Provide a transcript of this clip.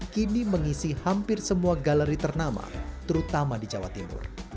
kini mengisi hampir semua galeri ternama terutama di jawa timur